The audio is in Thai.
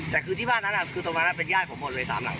แต่คือที่บ้านนั้นคือถอนรักษณ์เป็นย่าของผมหมดเลยสามหลัง